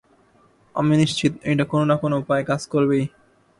আমি নিশ্চিত এইটা কোন না কোন উপায়ে কাজ করবেই।